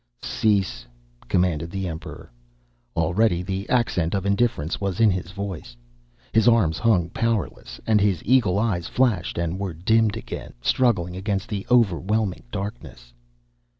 "Cease," commanded the Emperor. Already the accent of indifference was in his voice. His arms hung powerless, and his eagle eyes flashed and were dimmed again, struggling against overwhelming darkness.